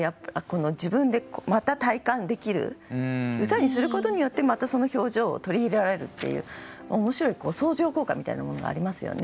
歌にすることによってまたその表情を取り入れられるっていう面白い相乗効果みたいなものがありますよね。